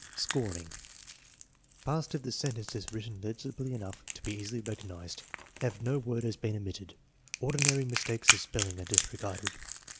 Scoring* Passed if the sentence is written legibly enough to be easily recognized, and if no word has been omitted. Ordinary mistakes of spelling are disregarded.